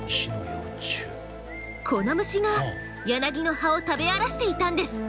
この虫がヤナギの葉を食べ荒らしていたんです。